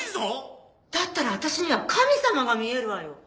だったら私には神様が見えるわよ。